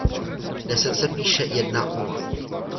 Deset se píše jedna nula.